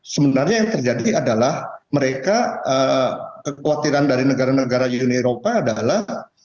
sebenarnya yang terjadi adalah mereka kekhawatiran dari negara negara uni eropa adalah